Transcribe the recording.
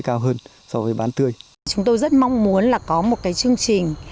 chúng tôi rất mong muốn là có một cái chương trình